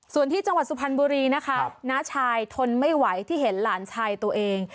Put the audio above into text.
ส่วนที่จังหวัดสุพรรณบุรีนะคะน้าชายทนไม่ไหวที่เห็นหลานชายตัวเอง